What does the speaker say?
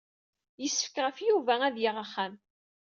Yessefk ɣef Yuba ad yaɣ axxam.